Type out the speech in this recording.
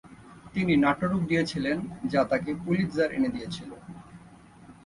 তিনি নাট্যরূপ দিয়েছিলেন যা তাকে পুলিৎজার এনে দিয়েছিল।